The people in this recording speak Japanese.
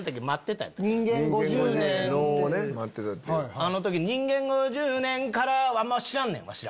あの時「人間五十年」からあんま知らんねんわしら。